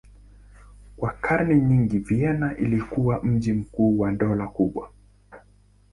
Kwa karne nyingi Vienna ilikuwa mji mkuu wa dola kubwa.